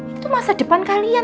ini tuh masa depan kalian